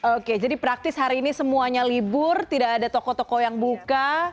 oke jadi praktis hari ini semuanya libur tidak ada toko toko yang buka